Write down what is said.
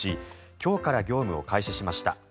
今日から業務を開始しました。